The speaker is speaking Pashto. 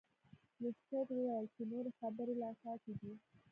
لیسټرډ وویل چې نورې خبرې لا پاتې دي.